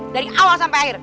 dari awal sampai akhir